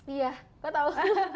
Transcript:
iya aku tahu